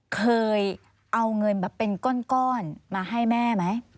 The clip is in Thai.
เคยเอาเงินแบบเป็นก้อนมาให้แม่ไหม